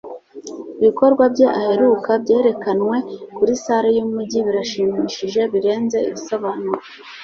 Ibikorwa bye aheruka byerekanwe kuri salle yumujyi Birashimishije birenze ibisobanuro